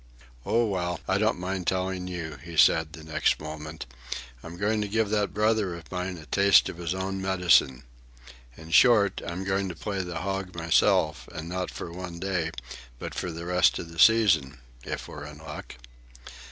"Oh, well, I don't mind telling you," he said the next moment. "I'm going to give that brother of mine a taste of his own medicine. In short, I'm going to play the hog myself, and not for one day, but for the rest of the season,—if we're in luck."